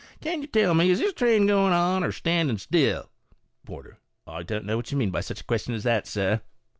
" Can you tell me, is this train going on or standing still?" Porter. u I don't know what you mean by such a question as that, sir."